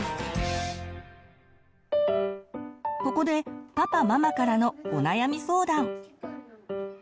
ここでパパママからのお悩み相談。